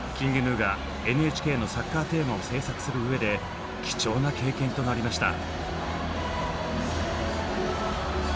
ＫｉｎｇＧｎｕがＮＨＫのサッカーテーマを制作するうえで貴重な経験となりました。